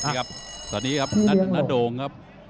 สวัสดีครับนัดดงครับ